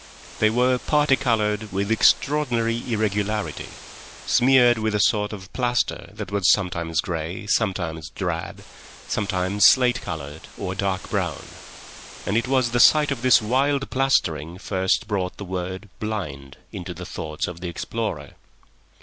They were parti coloured with extraordinary irregularity, smeared with a sort of plaster that was sometimes grey, sometimes drab, sometimes slate coloured or dark brown; and it was the sight of this wild plastering first brought the word "blind" into the thoughts of the explorer.